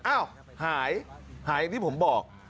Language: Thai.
อ้าวหายหายนี่ผมบอก